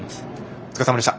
お疲れさまでした。